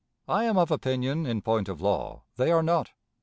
I am of opinion, in point of law, they are not.